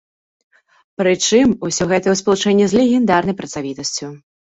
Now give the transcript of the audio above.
Прычым, усё гэта ў спалучэнні з легендарнай працавітасцю.